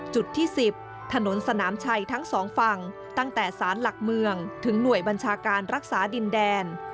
จุดที่๑๐ถนนสนามชัยทั้งสองฝั่งตั้งแต่สารหลักเมืองถึงหน่วยบัญชาการรักษาดินแดน